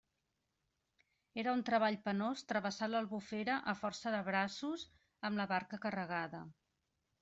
Era un treball penós travessar l'Albufera a força de braços amb la barca carregada.